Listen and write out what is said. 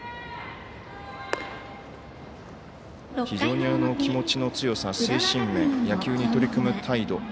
非常に気持ちの強さ精神面、野球に取り組む態度